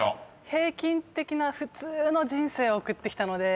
平均的な普通の人生を送ってきたので。